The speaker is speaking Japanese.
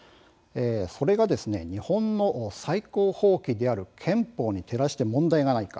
それが日本の最高法規である憲法に照らして問題がないか